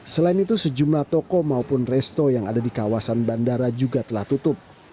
selain itu sejumlah toko maupun resto yang ada di kawasan bandara juga telah tutup